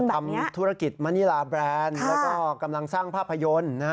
ทำธุรกิจมณีลาแบรนด์แล้วก็กำลังสร้างภาพยนตร์